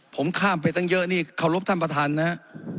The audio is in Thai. ผมข้ามไปตั้งเยอะนี่เคารพท่านประธานนะฮะ